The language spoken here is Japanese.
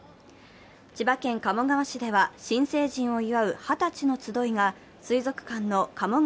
千葉県鴨川市では、新成人を祝う二十歳の集いが水族館の鴨川